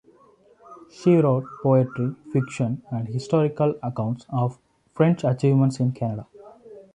She wrote poetry, fiction, and historical accounts of French achievements in Canada.